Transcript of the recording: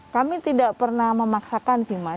kami tidak pernah memaksakan sih mas